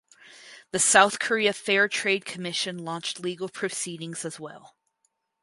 The South Korea Fair Trade Commission launched legal proceedings as well.